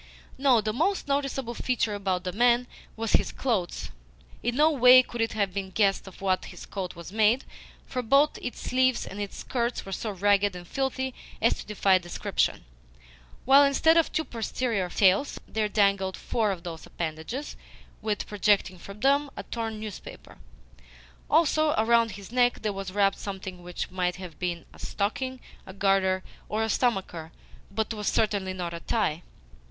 No, the most noticeable feature about the man was his clothes. In no way could it have been guessed of what his coat was made, for both its sleeves and its skirts were so ragged and filthy as to defy description, while instead of two posterior tails, there dangled four of those appendages, with, projecting from them, a torn newspaper. Also, around his neck there was wrapped something which might have been a stocking, a garter, or a stomacher, but was certainly not a tie.